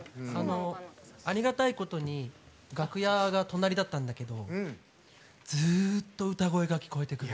ありがたいことに楽屋が隣だったんだけどずーっと歌声が聴こえてくる。